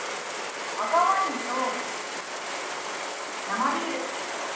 赤ワインと生ビール。